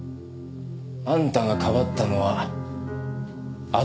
あんたがかばったのはあとぴんだな。